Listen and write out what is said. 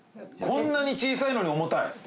こんなに小さいのに重たい。